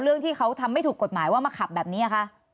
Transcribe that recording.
เรื่องที่เขาทำไม่ถูกกฎหมายว่ามาขับแบบนี้คะ